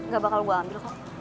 gak bakal gue ambil kok